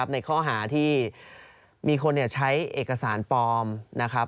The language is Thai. ในข้อหาที่มีคนใช้เอกสารปลอมนะครับ